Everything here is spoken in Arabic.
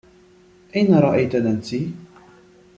أين رأيت نانسي ؟